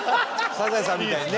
『サザエさん』みたいにね